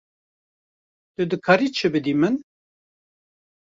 Tu dikarî çi bidî min?